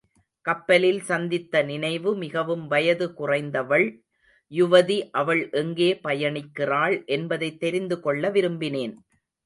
கப்பலில் சந்தித்த நினைவு மிகவும் வயது குறைந்தவள் யுவதி அவள் எங்கே பயணிக்கிறாள் என்பதைத் தெரிந்து கொள்ள விரும்பினேன்.